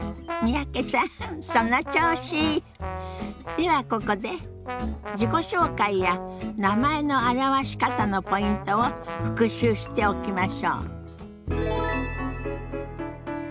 ではここで自己紹介や名前の表し方のポイントを復習しておきましょう。